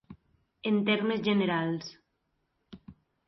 En termes generals.